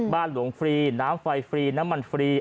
หลวงฟรีน้ำไฟฟรีน้ำมันฟรี